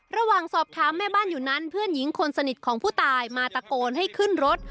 ระหว่างสอบถามแม่บ้านอยู่นั้นเพื่อนหญิงคนสนิทของผู้ตายมาตะโกนให้ขึ้นรถ